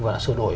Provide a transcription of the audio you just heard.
và sửa đổi